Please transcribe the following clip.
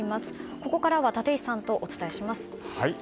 ここからは立石さんとお伝えします。